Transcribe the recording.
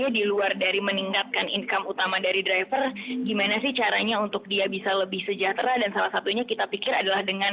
iya betul karena sekarang kita juga fokus utamanya di luar dari meningkatkan income utama dari driver gimana sih caranya untuk dia bisa lebih sejahtera dan salah satunya kita pikir adalah dengan literasi perbankan